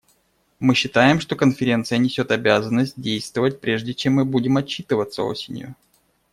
Мы считаем, что Конференция несет обязанность действовать, прежде чем мы будем отчитываться осенью.